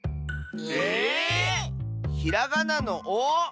え⁉ひらがなの「お」？